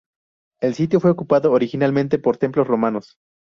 El sitio fue ocupado originalmente por templos romanos.